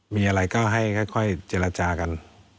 มีอะไรก็ให้ค่อยเจรจากัน